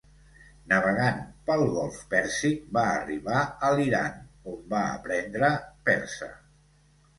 Navegant pel golf Pèrsic va arribar a l'Iran, on va aprendre persa.